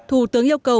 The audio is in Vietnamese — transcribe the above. thủ tướng yêu cầu